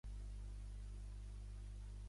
Va ser a més un gran pintor de bodegons.